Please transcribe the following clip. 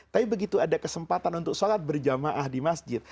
tapi begitu ada kesempatan untuk sholat berjamaah di masjid